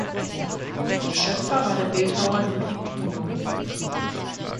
Ihr Schöpfer war der Bildhauer Ludwig Brunow.